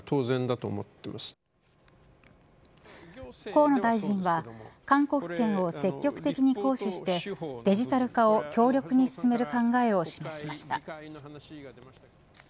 河野大臣は勧告権を積極的に行使してデジタル化を強力に進める考えを示しました。